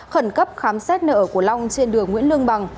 khẩn cấp khám xét nợ của long trên đường nguyễn lương bằng